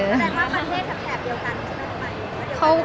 แสดงว่าประเทศแถบเดียวกันใช่ไหม